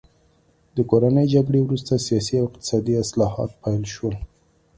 د کورنۍ جګړې وروسته سیاسي او اقتصادي اصلاحات پیل شول.